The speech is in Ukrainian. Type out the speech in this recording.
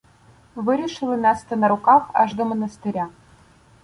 Вирішили нести на руках аж до монастиря.